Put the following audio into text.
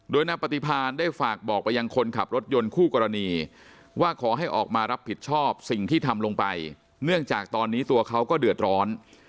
โดยนางปฏิพาณได้ฝากบอกไปยังคนขับรถยนต์คู่กรณีว่าขอให้ออกมารับผิดชอบสิ่งที่ทำลงไปเนื่องจากตอนนี้ตัวเขาก็เดือดร้อน